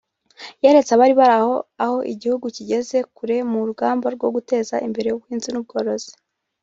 yeretse abari ho aho igihugu kigeze kure mu rugamba rwo guteza imbere ubuhinzi n’ubworozi